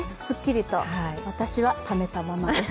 私はためたままです。